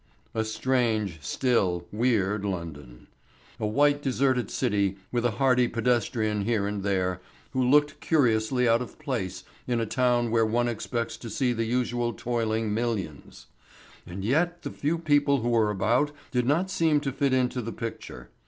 A strange, still, weird London. A white deserted city with a hardy pedestrian here and there, who looked curiously out of place in a town where one expects to see the usual toiling millions. And yet the few people who were about did not seem to fit into the picture.